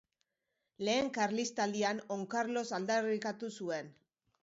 Lehen Karlistaldian On Karlos aldarrikatu zuen.